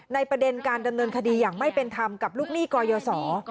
ประเด็นการดำเนินคดีอย่างไม่เป็นธรรมกับลูกหนี้กยศ